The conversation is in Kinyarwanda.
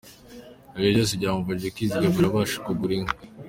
Ibyo byose byamufashije kwizigamira abasha kugura inka.